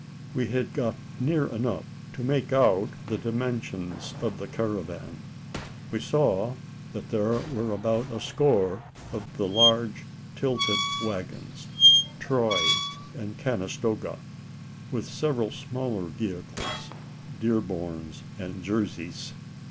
We had got near enough to make out the dimensions of the caravan. We saw that there were about a score of the large tilted waggons (Troy and Conestoga), with several smaller vehicles (Dearborns and Jerseys).